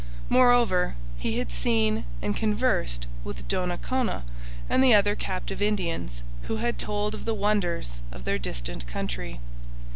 Moreover, he had seen and conversed with Donnacona and the other captive Indians, who had told of the wonders of their distant country.